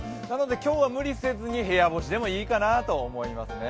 今日は無理せずに部屋干しでもいいかなと思います。